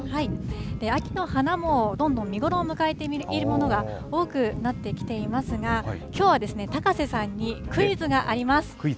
秋の花もどんどん見頃を迎えているものが多くなってきていますが、きょうは高瀬さんにクイズがあります。